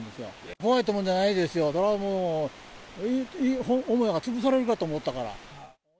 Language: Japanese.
怖いってもんじゃないですよ、それはもう、母屋が潰されるかと思ったから。